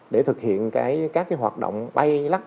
để thực hiện các hoạt động bay lắc